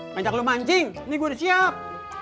mencak lo mancing ini gue udah siap